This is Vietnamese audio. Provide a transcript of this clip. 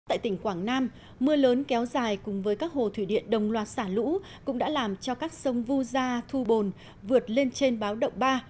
tại tỉnh quảng nam mưa lớn kéo dài cùng với các hồ thủy điện đồng loạt xả lũ cũng đã làm cho các sông vu gia thu bồn vượt lên trên báo động ba